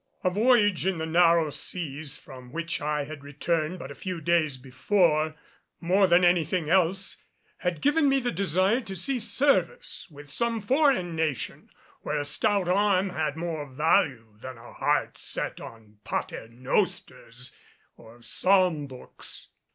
A voyage in the narrow seas, from which I had returned but a few days before, more than anything else had given me the desire to see service with some foreign nation where a stout arm had more value than a heart set on "paternosters" or psalm books.